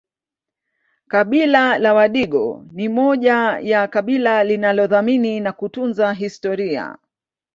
Kabila la wadigo ni moja ya kabila linalothamini na kutunza historia